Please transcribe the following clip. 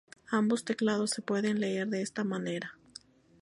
Ambos teclados se pueden leer de esta manera.